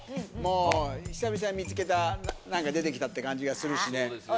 久々に見つけた、何か出てきたって感じがするしね。